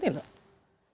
pemerintah publik ini loh